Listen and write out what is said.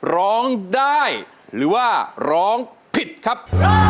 ร้องได้หรือว่าร้องผิดครับ